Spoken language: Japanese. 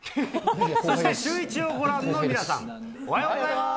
そしてシューイチをご覧の皆さん、おはようございます。